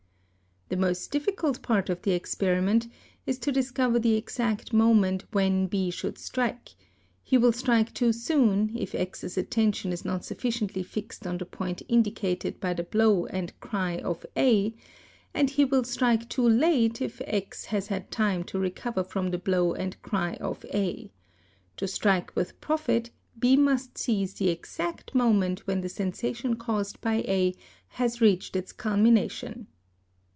The most difficult part of the experiment is to dis "cover the exact moment when B should strike; he will strike too soon if X's attention is not sufficiently fixed on the point indicated by the A Dlow and cry of A, and he will strike too late if X has had time to "tecover from the blow and ery of A; to strike with profit B must seize 692 THEFT the exact moment when the sensation caused by A has reached its culmination.